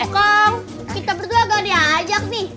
kong kita berdua gak diajak nih